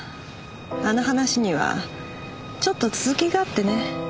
あの話にはちょっと続きがあってね。